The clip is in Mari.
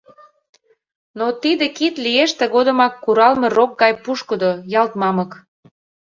Но тиде кид лиеш тыгодымак куралме рок гай пушкыдо, ялт мамык.